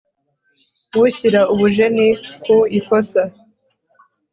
Ushyira ubujeni ku ikosa